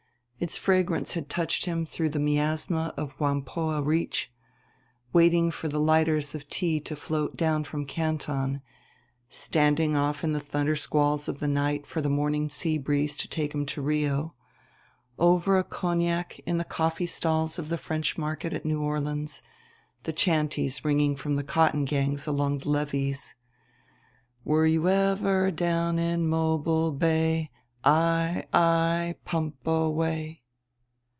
Its fragrance had touched him through the miasma of Whampoa Reach, waiting for the lighters of tea to float down from Canton; standing off in the thunder squalls of the night for the morning sea breeze to take him into Rio; over a cognac in the coffee stalls of the French market at New Orleans, the chanteys ringing from the cotton gangs along the levees: _"Were you ever down in Mobile Bay? Aye, aye, pump away."